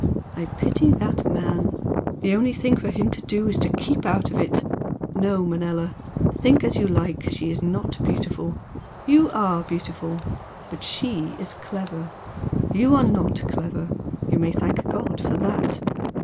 I pity that man! The only thing for him to do is to keep out of it! No, Manella! think as you like, she is not beautiful. You ARE beautiful. But SHE is clever, You are NOT clever. You may thank God for that!